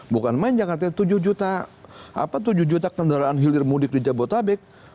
bukan main jakarta tujuh juta apa tujuh juta kendaraan hilir mudik di jabotabek